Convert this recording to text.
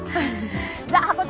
じゃあハコ長